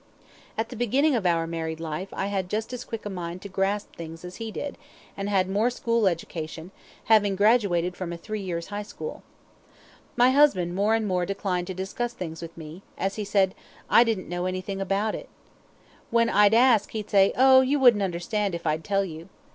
At the beginning of our married life I had just as quick a mind to grasp things as he did, and had more school education, having graduated from a three years' high school. My husband more and more declined to discuss things with me; as he said, "I didn't know anything about it." When I'd ask he'd say, "Oh, you wouldn't understand if I'd tell you."